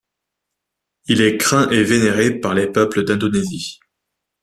Il est craint et vénéré par les peuples d'Indonésie.